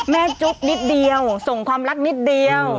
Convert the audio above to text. จุ๊บนิดเดียวส่งความรักนิดเดียว